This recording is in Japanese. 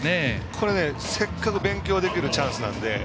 これ、せっかく勉強できるチャンスなので。